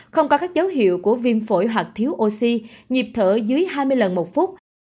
không có các dấu hiệu của viêm phổi hoặc thiếu oxy nhịp thở dưới hai mươi lần một phút